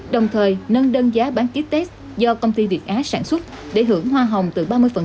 đồng thời nâng đơn giá bán ký test do công ty việt á sản xuất để hưởng hoa hồng từ ba mươi